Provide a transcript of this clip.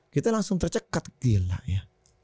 kita langsung tercekat gila ya